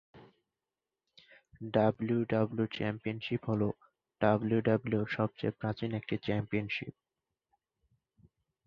WWE championship হলো ডাব্লিউডাব্লিউইর সবচেয়ে প্রাচীন একটি চ্যাম্পিয়নশিপ।